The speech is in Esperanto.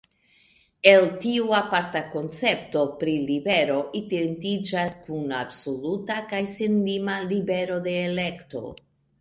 El tiu aparta koncepto pri libero identiĝas kun absoluta kaj senlima “libero de elekto”.